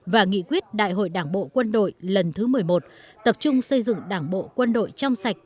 và nghị quyết đại hội đảng bộ quân đội lần thứ một mươi một tập trung xây dựng đảng bộ quân đội trong sạch